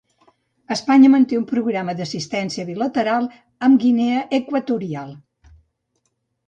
Espanya manté un programa d'assistència bilateral amb Guinea Equatorial.